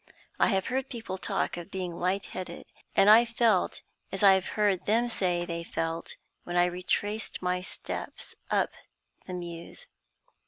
I have heard people talk of being light headed, and I felt as I have heard them say they felt when I retraced my steps up the Mews.